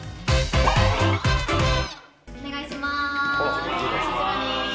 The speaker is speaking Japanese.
お願いします。